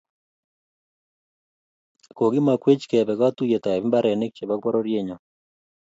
Kokimakwech kebe katuyet ab imbarenik chebo bororienyo